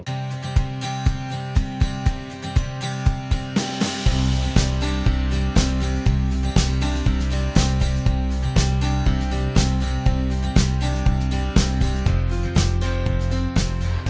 ya sama pak doni